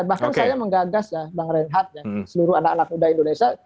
bahkan saya menggagas ya bang reinhardt seluruh anak anak muda indonesia